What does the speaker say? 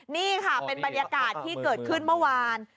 นี่ค่ะเป็นบรรยากาศที่เกิดขึ้นเมื่อวาน